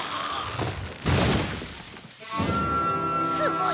すごい！